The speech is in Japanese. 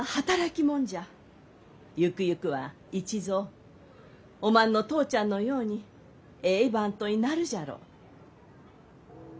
ゆくゆくは市蔵おまんの父ちゃんのようにえい番頭になるじゃろう。